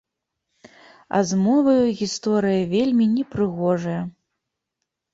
А з моваю гісторыя вельмі непрыгожая!